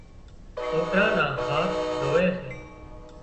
سوڪران نا هاٿ ڌووي سي